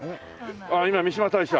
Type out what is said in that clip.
あっ今三嶋大社！